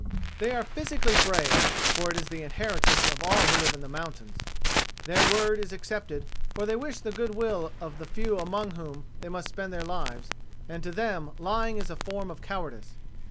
They are physically brave, for it is the inheritance of all who live in mountains. Their word is accepted, for they wish the good will of the few among whom they must spend their lives; and to them lying is a form of cowardice.